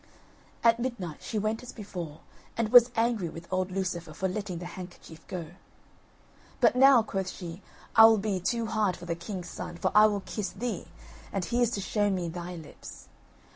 At midnight she went as before, and was angry with old Lucifer for letting the handkerchief go. "But now," quoth she, "I will be too hard for the king's son, for I will kiss thee, and he is to show me thy lips."